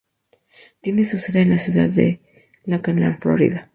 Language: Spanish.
Tienen su sede en la ciudad de Lakeland, Florida.